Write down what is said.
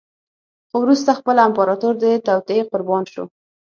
خو وروسته خپله امپراتور د توطیې قربان شو.